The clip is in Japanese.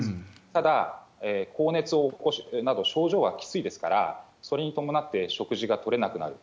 ただ、高熱などの症状がきついですから、それに伴って食事がとれなくなる。